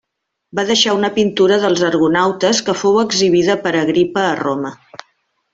Va deixar una pintura dels argonautes que fou exhibida per Agripa a Roma.